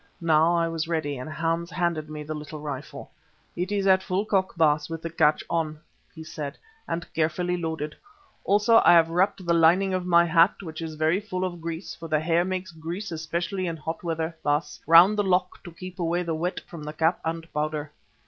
Now I was ready and Hans handed me the little rifle. "It is at full cock, Baas, with the catch on," he said, "and carefully loaded. Also I have wrapped the lining of my hat, which is very full of grease, for the hair makes grease especially in hot weather, Baas, round the lock to keep away the wet from the cap and powder.